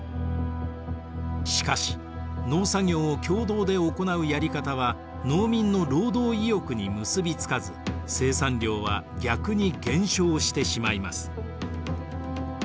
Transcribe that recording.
しかし農作業を共同で行うやり方は農民の労働意欲に結び付かず生産量は逆に減少してしまいます。